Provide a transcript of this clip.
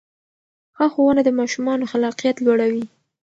ښه ښوونه د ماشومانو خلاقیت لوړوي.